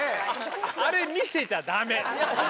あれ見せちゃ駄目。